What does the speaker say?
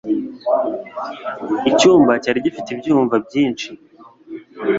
Icyumba cyari gifite ibyiyumvo byiza.